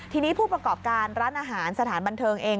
ทีนี้ผู้ประกอบการร้านอาหารสถานบันเทิงเอง